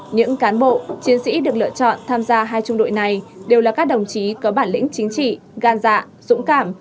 những cán bộ chiến sĩ được lựa chọn tham gia hai trung đội này đều là các đồng chí có bản lĩnh chính trị gan dạ dũng cảm